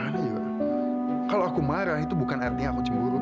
sekarang mau lakukan ke pelur